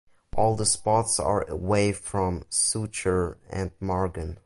All the spots are away from suture and margin.